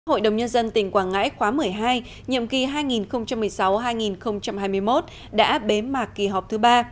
hội đồng nhân dân tỉnh quảng ngãi khóa một mươi hai nhiệm kỳ hai nghìn một mươi sáu hai nghìn hai mươi một đã bế mạc kỳ họp thứ ba